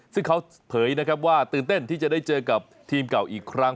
ซึ่งเขาเผยนะครับว่าตื่นเต้นที่จะได้เจอกับทีมเก่าอีกครั้ง